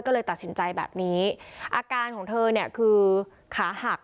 ก็เลยตัดสินใจแบบนี้อาการของเธอเนี่ยคือขาหัก